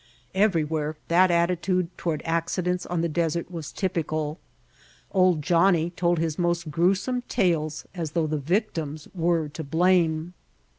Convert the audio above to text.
Everywhere that attitude toward accidents on the desert was typical. "Old Johnnie" told his most gruesome tales as though the victims were to blame.